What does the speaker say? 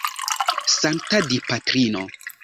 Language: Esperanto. Sankta Dipatrino!